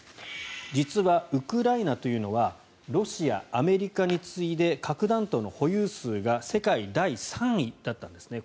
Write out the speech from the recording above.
実はウクライナというのはロシア、アメリカに次いで核弾頭の保有数が世界第３位だったんですね。